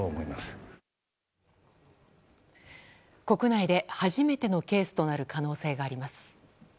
国内で初めてのケースとなる可能性があります。